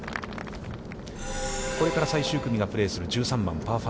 これから最終組がプレーする１３番、パー５。